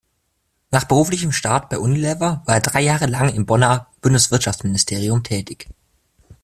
Nach beruflichem Start bei Unilever war er drei Jahre lang im Bonner Bundeswirtschaftsministerium tätig.